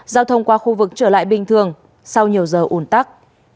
giao thông qua khu vực trở lại bình thường sau nhiều giờ ủn tắc